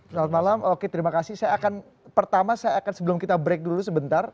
selamat malam oke terima kasih saya akan pertama saya akan sebelum kita break dulu sebentar